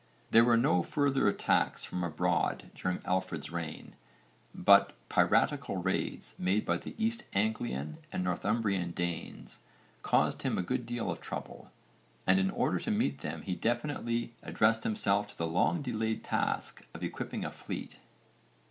There were no further attacks from abroad during Alfred's reign, but piratical raids made by the East Anglian and Northumbrian Danes caused him a good deal of trouble, and in order to meet them he definitely addressed himself to the long delayed task of equipping a fleet.